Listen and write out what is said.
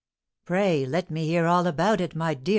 "Pray let me hear all about it, my dear M.